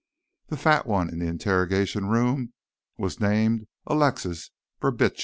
The fat one in the interrogation room was named Alexis Brubitsch.